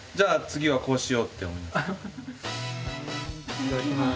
いただきます。